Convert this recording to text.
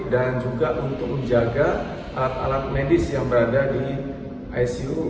dan juga untuk menjaga alat alat medis yang berada di icu